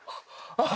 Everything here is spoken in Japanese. あっ。